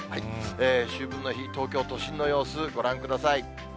秋分の日、東京都心の様子ご覧ください。